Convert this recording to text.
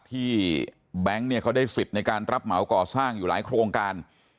ที่แบงก์เขาได้ศิษย์ในการรับเหมาก่อสร้างอยู่หลายโครงการ